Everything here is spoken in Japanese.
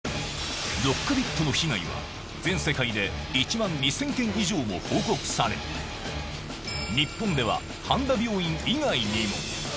ロックビットの被害は、全世界で１万２０００件以上も報告され、日本では半田病院以外にも。